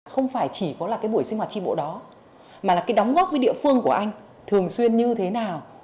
không phải chỉ có là cái buổi sinh hoạt tri bộ đó mà là cái đóng góp với địa phương của anh thường xuyên như thế nào